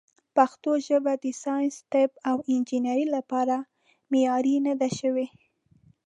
پښتو ژبه د ساینس، طب، او انجنیرۍ لپاره معیاري نه ده شوې.